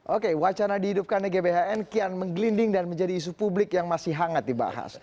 oke wacana dihidupkannya gbhn kian menggelinding dan menjadi isu publik yang masih hangat dibahas